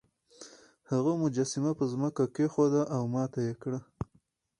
هغه مجسمه په ځمکه کیښوده او ماته یې کړه.